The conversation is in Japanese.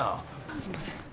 すんません。